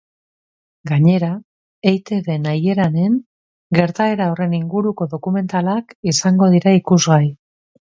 Gainera, eitbnahieranen gertaera horren inguruko dokumentalak izango dira ikusgai.